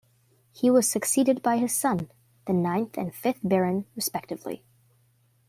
He was succeeded by his son, the ninth and fifth Baron respectively.